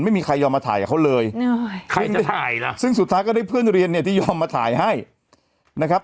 ไม่มีใครยอมมาถ่ายกับเขาเลยซึ่งสุดท้ายก็ได้เพื่อนเรียนที่ยอมมาถ่ายให้นะครับ